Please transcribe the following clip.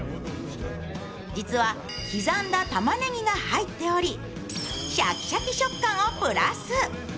実は刻んだたまねぎが入っており、シャキシャキ食感をプラス。